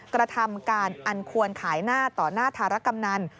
กระทำการอันควรขายหน้าต่อหน้าธารกำนัน